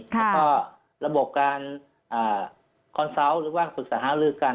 แล้วก็ระบบการคอนเซาต์หรือว่าปรึกษาหาลือกัน